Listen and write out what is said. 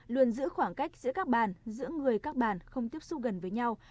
luôn giữ khoảng cách giữa các bàn giữa người các bàn không tiếp xúc gần với nhau